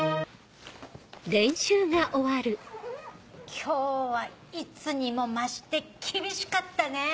今日はいつにも増して厳しかったね！